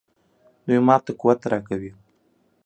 دوی ماته قوت راکوي.